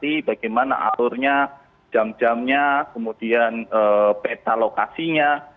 sehingga mereka bisa tahu secara pasti bagaimana aturnya jam jamnya kemudian peta lokasinya